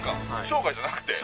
生涯じゃなくて？